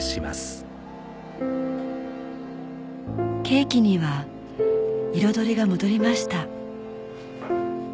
ケーキには彩りが戻りました